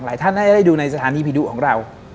หลายท่านให้ได้ดูในสถานีผีดุของเรา